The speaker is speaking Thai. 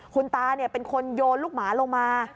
คุณตาเป็นคนโยนลูกหมาลงมา